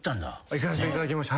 行かせていただきました。